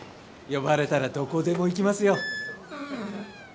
呼ばれたらどこでも行きますよ。